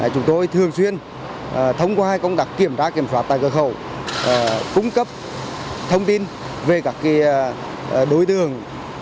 chúng tôi thường xuyên thông qua công tác kiểm tra kiểm soát tại cửa khẩu cung cấp thông tin về các đối tượng